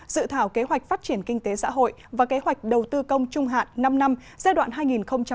dự thảo kế hoạch phát triển kinh tế xã hội và kế hoạch đầu tư công trung hạn năm năm giai đoạn hai nghìn hai mươi một hai nghìn hai mươi năm